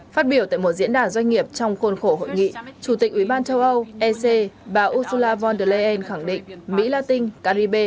phát biểu tại một diễn đàn doanh nghiệp trong khuôn khổ hội nghị chủ tịch ủy ban châu âu ec bà ursula von der leyen khẳng định mỹ la tinh caribe